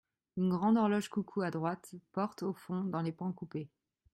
Une grande horloge-coucou à droite ; portes au fond dans les pans coupés.